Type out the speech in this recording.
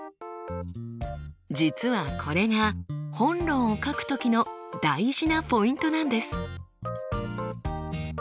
実はこれが本論を書く時の大事なポイントなんです。